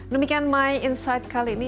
demikian my insight kali ini